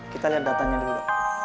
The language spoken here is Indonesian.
kita lihat datanya dulu